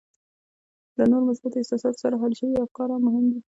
له نورو مثبتو احساساتو سره حل شوي افکار هم مهم دي